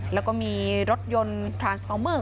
แล้วก็มีรถยนต์พรานสปอลเมอร์